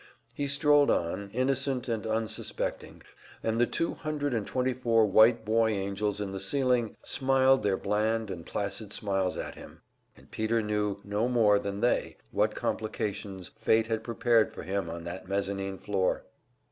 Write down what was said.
He strolled on, innocent and unsuspecting, and the two hundred and twenty four white boy angels in the ceiling smiled their bland and placid smiles at him, and Peter knew no more than they what complications fate had prepared for him on that mezzanine floor!